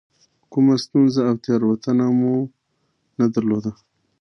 کومه ستونزه او تېروتنه مو نه درلوده.